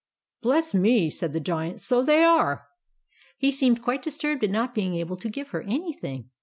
"BLESS ME!" said the Giant, "SO THEY ARE." He seemed quite disturbed at not being able to give her anything.